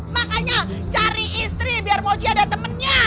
makanya cari istri biar moji ada temennya